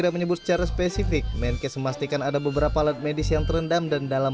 menyebut secara spesifik menkes memastikan ada beberapa alat medis yang terendam dan dalam